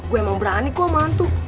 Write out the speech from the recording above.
gue emang berani gue sama hantu